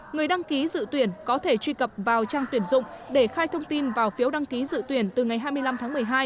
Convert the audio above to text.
người đăng ký dự tuyển có thể truy cập vào trang tuyển dụng để khai thông tin vào phiếu đăng ký dự tuyển từ ngày hai mươi năm tháng một mươi hai